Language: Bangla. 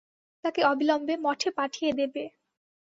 তাঁকে অবিলম্বে মঠে পাঠিয়ে দেবে।